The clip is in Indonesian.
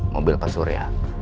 mobil pak surya